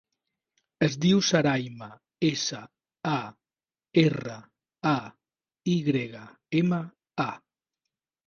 Es diu Sarayma: essa, a, erra, a, i grega, ema, a.